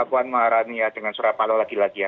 puan maharani ya dengan surapalo lagi lagi ya